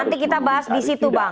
nanti kita bahas di situ bang